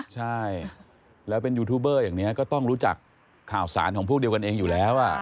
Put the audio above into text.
ใช่แล้วเป็นยูทูบเบอร์อย่างนี้ก็ต้องรู้จักข่าวสารของพวกเดียวกันเองอยู่แล้ว